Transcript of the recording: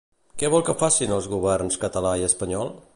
Què vol que facin els governs català i espanyol?